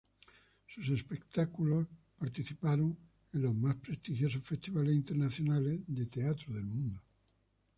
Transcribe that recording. Sus espectáculos participaron en los más prestigiosos festivales internacionales de teatro del mundo.